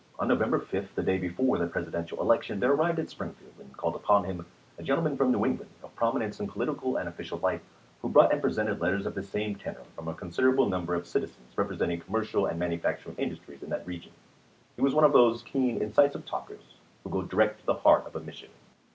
On November 5, the day before the Presidential iko. election, there arrived at Springfield, and called upon him, a gentleman from New England, of prom inence in political and official life, who brought and presented letters of this same tenor from a consid 280 ABRAHAM LINCOLN en. xvin. erable number of citizens representing commercial and manufacturing industries in that region. He was one of those keen, incisive talkers who go direct to the heart of a mission.